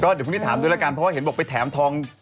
ก็ตรงนี้ถามด้วยแล้วกันเพราะว่าเห็นว่าไปแถมทอง